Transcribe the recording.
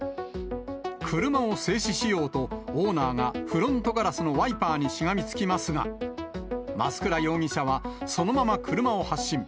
車を制止しようと、オーナーがフロントガラスのワイパーにしがみつきますが、増倉容疑者はそのまま車を発進。